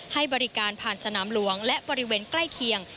ให้บริการผ่านสนามหลวงและบริเวณใกล้เคียง